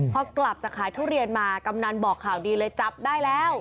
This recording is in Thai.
พอกลับจากขายทุเรียนมากำนันบอกข่าวดีเลยจับได้แล้ว